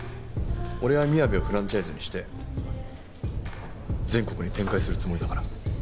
俺はみやべをフランチャイズにして全国に展開するつもりだから。